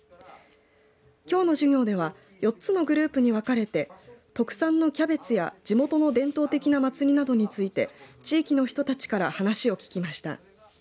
きょうの授業では４つのグループに分かれて特産のキャベツや地元の伝統的な祭りなどについて地域の人たちから話を聞きました。